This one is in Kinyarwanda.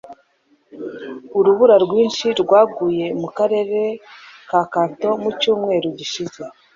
Urubura rwinshi rwaguye mu karere ka Kanto mu cyumweru gishize.